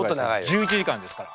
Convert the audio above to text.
１１時間ですから。